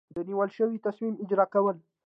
د نیول شوي تصمیم اجرا کول.